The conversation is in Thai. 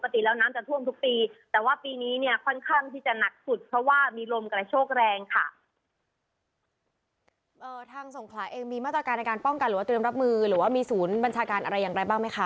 ทางสงขลาเองมีมาตรการในการป้องกันหรือว่าเตรียมรับมือหรือว่ามีศูนย์บัญชาการอะไรอย่างไรบ้างไหมคะ